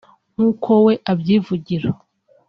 nkuko we abyivugira